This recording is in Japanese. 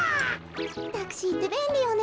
タクシーってべんりよね。